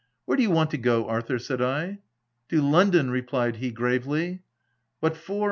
" Where do you want to go, Arthur V* said I. " To London," replied he, gravely. "What for?"